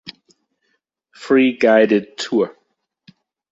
Free guided tour.